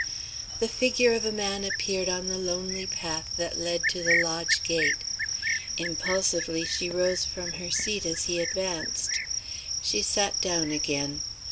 The figure of a man appeared on the lonely path that led to the lodge gate. Impulsively she rose from her seat as he advanced. She sat down again.